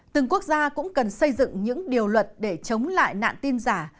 từng quốc gia cũng cần xây dựng những điều luật để chống lại nạn tin giả